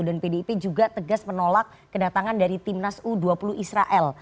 dan pdip juga tegas menolak kedatangan dari timnas u dua puluh israel